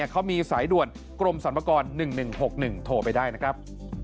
เขามีสายด่วนกรมสรรพากร๑๑๖๑โทรไปได้นะครับ